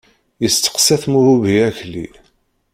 Yesteqsa-t Muhubi Akli.